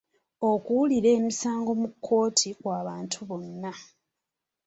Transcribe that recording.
Okuwulira emisango mu kkooti kw'abantu bonna.